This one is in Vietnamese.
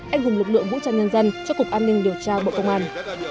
anh hùng lực lượng vũ trang nhân dân cho cục an ninh điều tra bộ công an